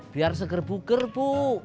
biar segar bugar bu